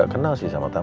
ketemu sama om tama